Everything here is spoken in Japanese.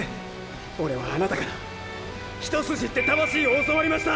オレはあなたから一筋って魂を教わりました！